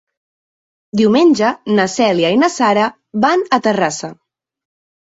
Diumenge na Cèlia i na Sara van a Terrassa.